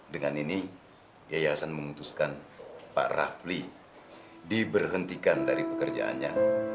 dengan ini yayasan memutuskan pak rafli diberhentikan dari pekerjaannya